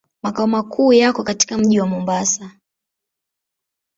Makao makuu yako katika mji wa Mombasa.